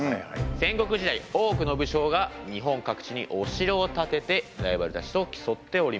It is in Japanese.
戦国時代多くの武将が日本各地にお城を建ててライバルたちと競っておりました。